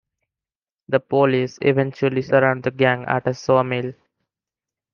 The police eventually surround the gang at a sawmill.